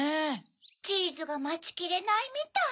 チーズがまちきれないみたい。